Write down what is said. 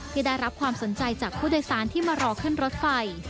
ที่ได้รับความสนใจจากผู้โดยสารที่มารอขึ้นรถไฟ